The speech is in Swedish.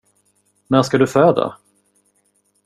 När ska du föda?